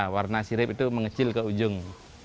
warna sirip itu mengecil ke ujung